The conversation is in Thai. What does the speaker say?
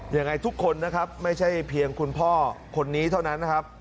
ยังไงทุกคนนะครับไม่ใช่เพียงคุณพ่อคนนี้เท่านั้นนะครับ